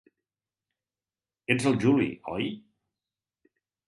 Ets el Juli, oi?